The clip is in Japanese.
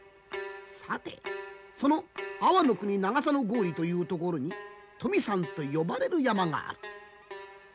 さてその安房国長狭郡というところに富山と呼ばれる山がある。